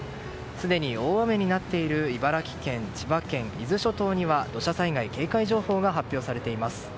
すでに大雨になっている茨城県、千葉県、伊豆諸島には土砂災害警戒情報が発表されています。